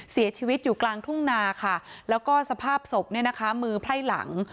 เสียชีวิตอยู่กลางทุ่งนาค่ะแล้วก็สภาพศพเนี่ยนะคะมือไพร่หลัง